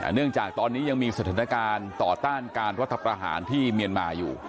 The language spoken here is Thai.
เนื่องจากตอนนี้ยังมีสถานการณ์ต่อต้านการรัฐประหารที่เมียนมาอยู่